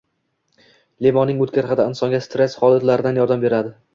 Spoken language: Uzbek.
Limonning o‘tkir hidi insonga stress holatlarida yordam beradi.